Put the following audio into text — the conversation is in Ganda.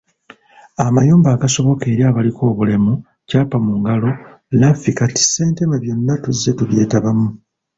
Amayumba agasoboka eri abaliko obulemu, Kyapa mungalo, Lafi, kati Ssentema byonna tuzze tubyetabamu.